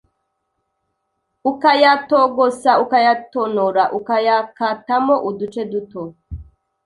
ukayatogosa, ukayatonora, ukayakatamo uduce duto,